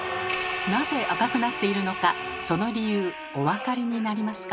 なぜ赤くなっているのかその理由お分かりになりますか？